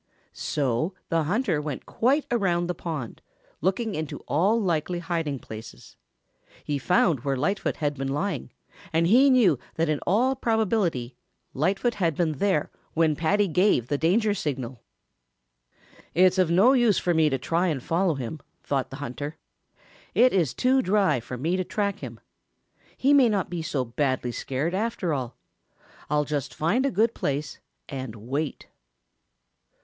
So the hunter went quite around the pond, looking into all likely hiding places. He found where Lightfoot had been lying, and he knew that in all probability Lightfoot had been there when Paddy gave the danger signal. "It's of no use for me to try to follow him," thought the hunter. "It is too dry for me to track him. He may not be so badly scared, after all. I'll just find a good place and wait."